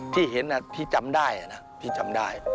ทิเช่นน่ะก็จำได้แล้วนะที่จำได้